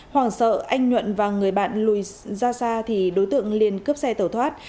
hoảng sợ anh nhuận và người bạn lùi ra xa thì đối tượng liên cướp xe tẩu thoát